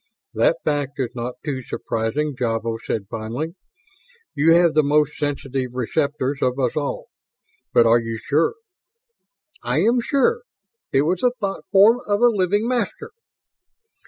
"That fact is not too surprising," Javo said finally. "You have the most sensitive receptors of us all. But are you sure?" "I am sure. It was the thought form of a living Master."